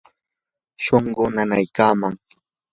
shunquu nanaykaman.